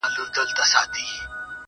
باڼه به مي په نيمه شپه و لار ته ور وړم.